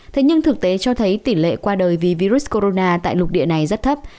thế nhưng thực tế cho thấy tỷ lệ qua đời vì virus corona tại lục địa này rất thấp